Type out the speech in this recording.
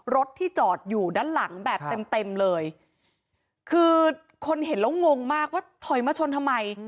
รถที่จอดอยู่ด้านหลังแบบเต็มเต็มเลยคือคนเห็นแล้วงงมากว่าถอยมาชนทำไม